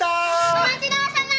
お待ちどおさま！